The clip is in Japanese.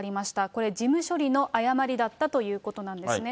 これ事務処理の誤りだったということなんですね。